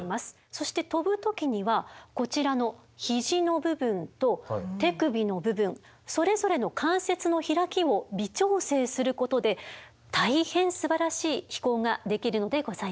そして飛ぶ時にはこちらの肘の部分と手首の部分それぞれの関節の開きを微調整することで大変すばらしい飛行ができるのでございます。